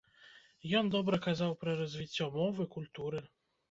Ён добра казаў пра развіццё мовы, культуры.